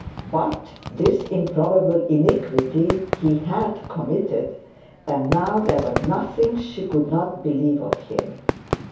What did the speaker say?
But this improbable iniquity he had committed; and now there was nothing she could not believe of him.